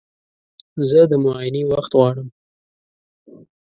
زه د معاینې وخت غواړم.